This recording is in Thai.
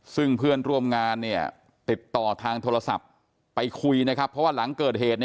ซึ่งเพื่อนร่วมงานติดต่อทางโทรศัพท์ไปคุยนะครับเพราะว่าหลังเกิดเหตุ